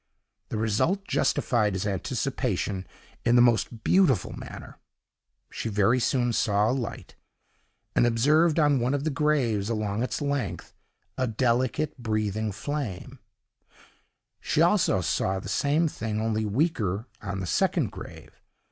The result justified his anticipation in the most beautiful manner. She very soon saw a light, and observed on one of the graves, along its length, a delicate, breathing flame: she also saw the same thing, only weaker on the second grave.